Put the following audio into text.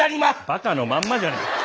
バカのまんまじゃねえか！